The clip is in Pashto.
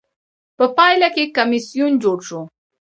په پایله کې کمېسیون جوړ شو.